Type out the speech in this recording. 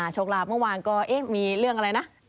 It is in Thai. โชคลาภเมื่อวานก็มีเรื่องอะไรนะ